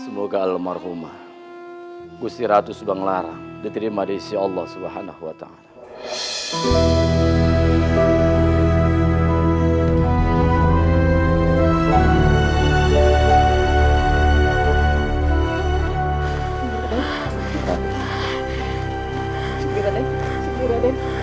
semoga almarhumah kusti ratus banglaran diterima diisi allah subhanahuwata'ala